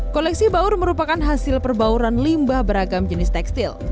koleksi baur merupakan hasil perbauran limbah beragam jenis tekstil